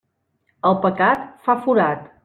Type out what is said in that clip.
El pecat fa forat.